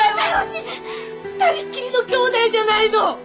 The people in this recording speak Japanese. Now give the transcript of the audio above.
二人っきりの姉妹じゃないの！